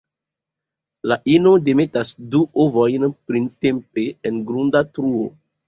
La ino demetas du ovojn printempe en grunda truo.